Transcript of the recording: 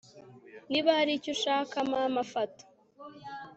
niba hari icyo ushaka, mama, fata